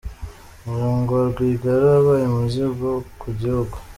Umuryango wa Rwigara wabaye umuzigo ku Igihugu